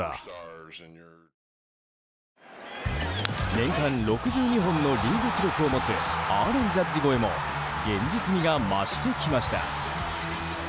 年間６２本のリーグ記録を持つアーロン・ジャッジ超えも現実味が増してきました。